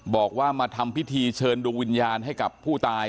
บอกว่ามาทำพิธีเชิญดวงวิญญาณให้กับผู้ตาย